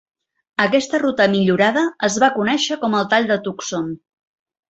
Aquesta ruta millorada es va conèixer com el Tall de Tucson.